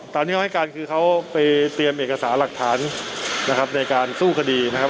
ตอนที่เขาให้การคือเขาไปเตรียมเอกสารหลักฐานนะครับในการสู้คดีนะครับ